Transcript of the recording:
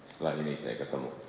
setelah ini saya ketemu